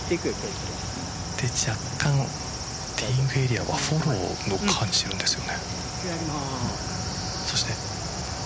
若干、ティーイングエリアはフォローを感じているんですよ。